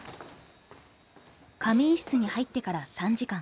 仮眠室に入ってから３時間。